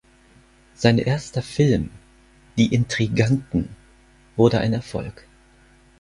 Sein erster Film "Die Intriganten" wurde ein Erfolg.